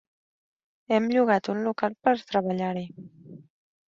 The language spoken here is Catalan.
Hem llogat un local per treballar-hi.